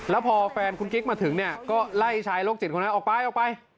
แล้วพอแฟนคุณกิ๊กมาถึงเนี่ยก็ไล่ชายโรคจิตคนนั้นออกไปออกไป